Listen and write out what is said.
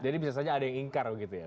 jadi bisa saja ada yang ingkar begitu ya pak